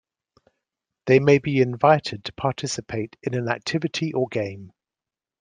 They may be invited to participate in an activity or game.